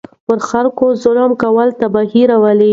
پر خلکو ظلم کول تباهي راولي.